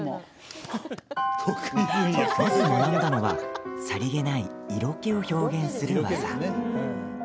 まず、学んだのはさりげない色気を表現する技。